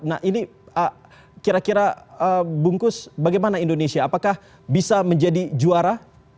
nah ini kira kira bungkus bagaimana indonesia apakah bisa menjadi juara